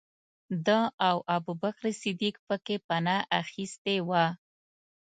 ده او ابوبکر صدیق پکې پنا اخستې وه.